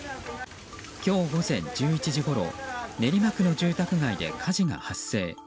今日午前１１時ごろ練馬区の住宅街で火事が発生。